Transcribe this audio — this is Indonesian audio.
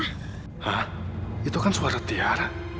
nah itu kan suara tiara